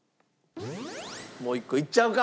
もう１個いっちゃうか。